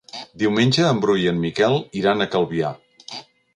Diumenge en Bru i en Miquel iran a Calvià.